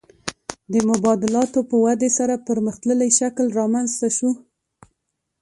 د مبادلاتو په ودې سره پرمختللی شکل رامنځته شو